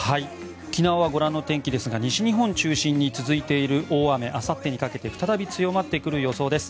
沖縄はご覧の天気ですが西日本を中心に続いている大雨あさってにかけて再び強まってくる予想です。